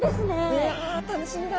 いや楽しみだ！